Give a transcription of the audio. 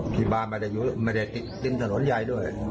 ที่บ้านไม่ได้ติ้นสนุนใหญ่ด้วย